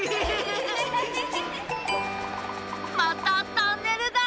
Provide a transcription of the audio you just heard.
またトンネルだ。